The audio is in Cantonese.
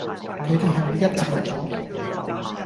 佢地係咪一齊咗？